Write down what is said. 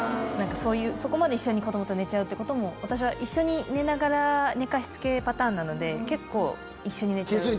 そこまで一緒に子どもと寝ちゃうっていうことも、私は、一緒に寝ながら寝かしつけパターンなので、結構、一緒に寝ちゃう。